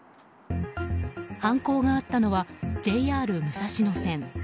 犯行があったのはＪＲ武蔵野線。